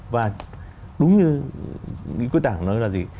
và đúng như quý tảng nói là gì